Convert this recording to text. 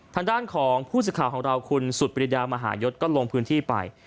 ทางด้านของผู้สื่อข่าวของเราคุณสุดปริดามหายศก็ลงพื้นที่ไป